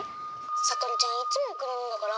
さとるちゃんいつもおくれるんだから。